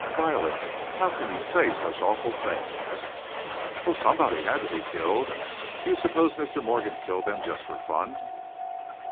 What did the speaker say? "Violet! how can you say such awful things!" "Well, somebody had to be killed. Do you suppose Mr. Morgan killed them just for fun?"